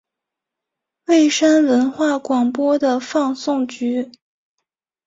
蔚山文化广播的放送局。